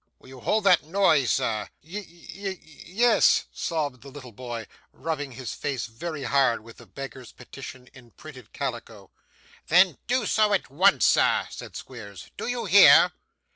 Will you hold that noise, sir?' 'Ye ye yes,' sobbed the little boy, rubbing his face very hard with the Beggar's Petition in printed calico. 'Then do so at once, sir,' said Squeers. 'Do you hear?